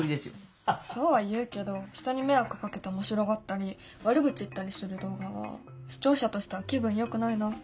そうは言うけど人に迷惑をかけて面白がったり悪口言ったりする動画は視聴者としては気分よくないな。